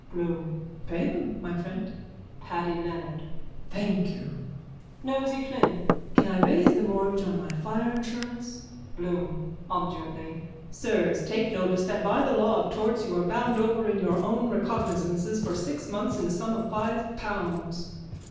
BLOOM: Pay them, my friend. PADDY LEONARD: Thank you. NOSEY FLYNN: Can I raise a mortgage on my fire insurance? BLOOM: (Obdurately.) Sirs, take notice that by the law of torts you are bound over in your own recognisances for six months in the sum of five pounds.